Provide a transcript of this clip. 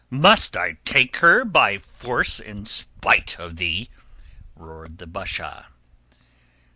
"Must I take her by force in spite of thee?" roared the Basha.